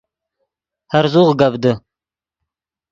ہرزوغ گپ دے